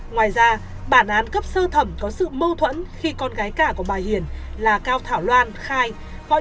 ngoài ra bản án cấp sơ thẩm có sự mâu thuẫn khi con gái cả của bà hiền là cao thảo loan khai